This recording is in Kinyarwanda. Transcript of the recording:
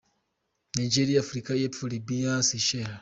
Nigeria, Afurika y’Epfo, Libya, Seychelles